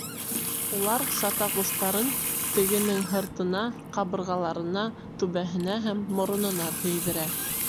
Улар сатаҡ остарын тегенең һыртына, ҡабырғаларына, түбәһенә һәм моронона тейҙерә.